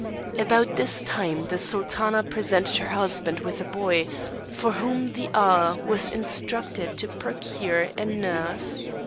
About this time the Sultana presented her husband with a boy, for whom the Aga was instructed to procure a nurse.